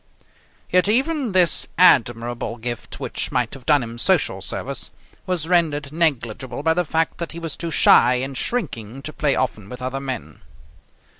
Yet even this admirable gift, which might have done him social service, was rendered negligible by the fact that he was too shy and shrinking to play often with other men.